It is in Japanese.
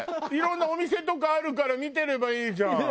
いろんなお店とかあるから見てればいいじゃん。